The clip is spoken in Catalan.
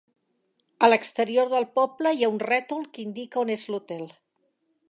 A l'exterior del poble hi ha un rètol que indica on és l'hotel.